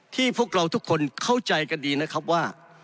พวกเราทุกคนเข้าใจกันดีนะครับว่า